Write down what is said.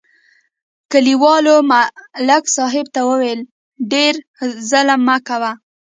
کلیوالو ملک صاحب ته وویل: ډېر ظلم مه کوه